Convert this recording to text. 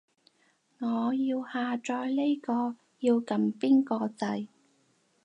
我要下載呢個，要撳邊個掣